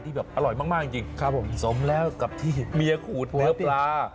แบบอร่อยมากจริงครับผมสมแล้วกับที่เมียขูดเนื้อปลา